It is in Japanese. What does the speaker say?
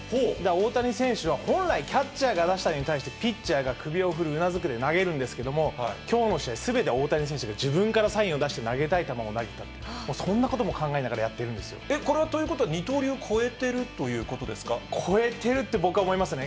大谷選手は本来、キャッチャーが出したのに対して、ピッチャーが首を振る、うなずくで投げるんですけれども、きょうの試合、すべて大谷選手が自分からサインを出して投げたい球を投げた、そんなことも考えながらやということは二刀流超えてい超えてるって僕は思いますね。